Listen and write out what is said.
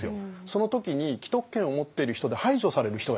その時に既得権を持ってる人で排除される人がいるんですよ。